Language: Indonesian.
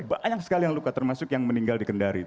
banyak sekali yang luka termasuk yang meninggal di kendari